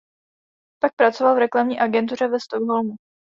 Pak pracoval v reklamní agentuře ve Stockholmu.